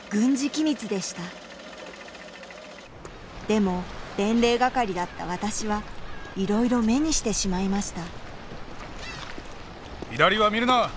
でも伝令係だった私はいろいろ目にしてしまいました左は見るな！